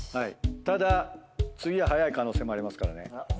ただ次は早い可能性もありますからね。